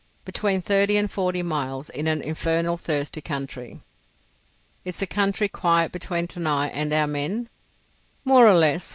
"Between thirty and forty miles—in an infernal thirsty country." "Is the country quiet between Tanai and our men?" "More or less.